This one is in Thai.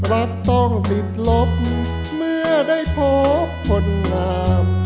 รักต้องติดลบเมื่อได้พบคนงาม